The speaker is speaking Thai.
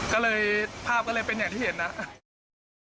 ก็เลยภาพก็เลยเป็นอย่างที่เห็นนะครับ